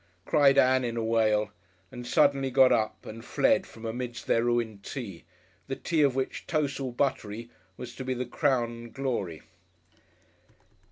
cried Ann in a wail, and suddenly got up and fled from amidst their ruined tea, the tea of which "toce, all buttery," was to be the crown and glory.